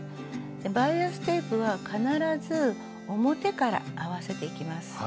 バイアステープは必ず表から合わせていきます。